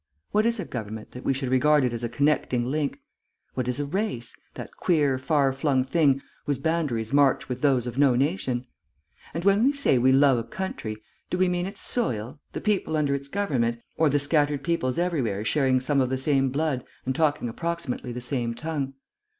What is a government, that we should regard it as a connecting link? What is a race, that queer, far flung thing whose boundaries march with those of no nation? And when we say we love a country, do we mean its soil, the people under its government, or the scattered peoples everywhere sharing some of the same blood and talking approximately the same tongue?